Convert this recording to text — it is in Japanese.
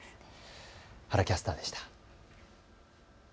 原キャスターでした。